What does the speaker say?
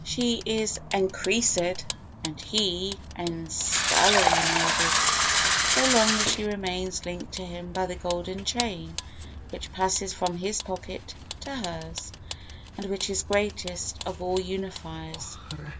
She is en Croesused and he enscullery maided so long as she remains linked to him by the golden chain which passes from his pocket to hers, and which is greatest of all unifiers.